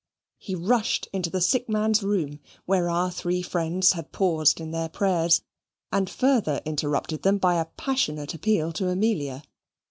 He rushed into the sick man's room, where our three friends had paused in their prayers, and further interrupted them by a passionate appeal to Amelia.